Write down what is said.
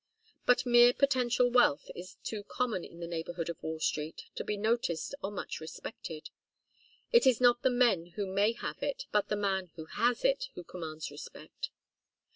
But mere potential wealth is too common in the neighbourhood of Wall Street to be noticed or much respected. It is not the man who may have it, but the man who has it, who commands respect.